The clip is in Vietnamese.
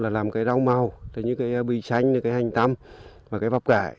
là làm cái rau màu như cái bì xanh cái hành tăm và cái bắp cải